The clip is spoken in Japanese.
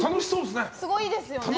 すごいですよね。